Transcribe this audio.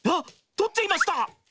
取っちゃいました。